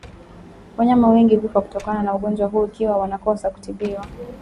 Wanyama wengi hufa kutokana na ugonjwa huu ikiwa watakosa kutibiwa